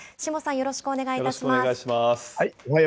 よろしくお願いします。